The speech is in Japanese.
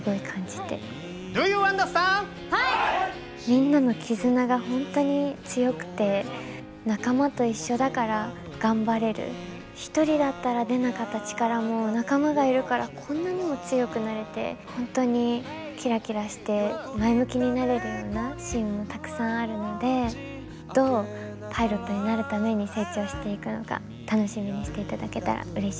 みんなの絆が本当に強くて仲間と一緒だから頑張れる一人だったら出なかった力も仲間がいるからこんなにも強くなれて本当にキラキラして前向きになれるようなシーンもたくさんあるのでどうパイロットになるために成長していくのか楽しみにしていただけたらうれしいです。